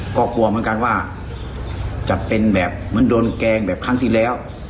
ก็กลัวเหมือนกันว่าจะเป็นแบบเหมือนโดนแกล้งแบบครั้งที่แล้ว